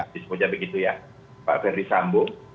di sebuah jabik gitu ya pak verdi sambo